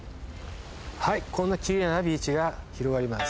はいこんなキレイなビーチが広がります